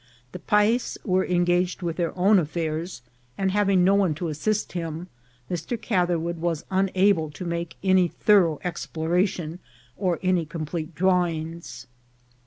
The Payes were engaged with their own af fairs, and having no one to assist him, Mr. Catherwood was unable to make any thorough exploration or any complete drawings.